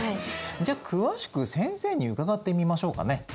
じゃあ詳しく先生に伺ってみましょうかね。